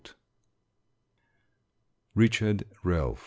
RICHARD REALF.